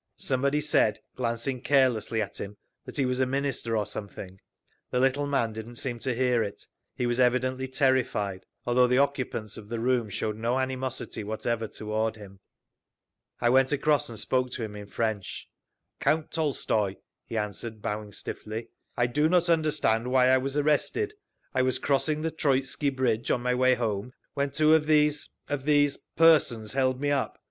Somebody said, glancing carelessly at him, that he was a Minister or something…. The little man didn't seem to hear it; he was evidently terrified, although the occupants of the room showed no animosity whatever toward him. I went across and spoke to him in French. "Count Tolstoy," he answered, bowing stiffly. "I do not understand why I was arrested. I was crossing the Troitsky Bridge on my way home when two of these—of these—persons held me up.